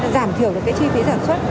giảm thiểu được cái chi phí giảm xuất